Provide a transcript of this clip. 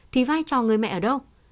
thì vai trò người mẹ ở đâu